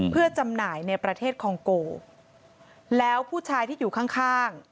เพื่อจำหน่ายในประเทศคองโกแล้วผู้ชายที่อยู่ข้างข้าง